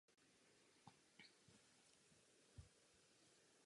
Jména jsou napsána zlatým písmem mezi okny.